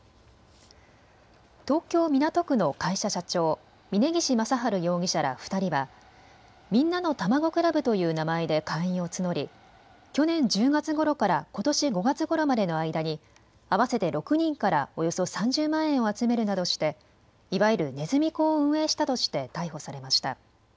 東京港区の会社社長、峯岸正治容疑者ら２人はみんなのたまご倶楽部という名前で会員を募り去年１０月ごろからことし５月ごろまでの間に合わせて６人からおよそ３０万円を集めるなどしていわゆるネズミ講を運営したとして逮捕されました。